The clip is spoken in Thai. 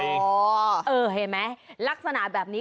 เห็นไหมลักษณะแบบนี้